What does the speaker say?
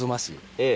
ええ。